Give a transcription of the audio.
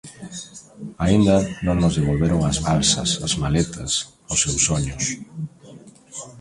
Aínda non nos devolveron as balsas, as maletas, os seus soños.